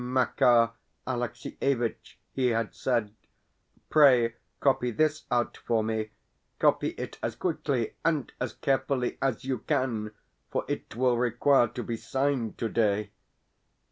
"Makar Alexievitch," he had said, "pray copy this out for me. Copy it as quickly and as carefully as you can, for it will require to be signed today."